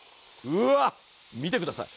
うわっ、見てください。